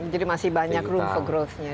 jadi masih banyak room for growth nya